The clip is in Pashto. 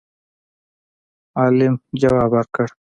عالم جواب ورکړ